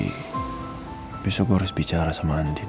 tapi besok gue harus bicara sama andin